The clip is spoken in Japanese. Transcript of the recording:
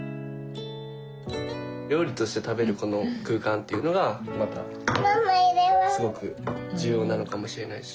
料理として食べるこの空間というのがまたすごく重要なのかもしれないし。